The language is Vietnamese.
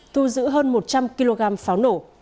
thu giữ hơn một trăm linh kg pháo nổ